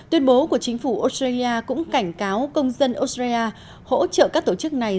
tuyên bố của chính phủ australia cũng cảnh cáo công dân australia hỗ trợ các tổ chức này